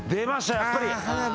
やっぱり。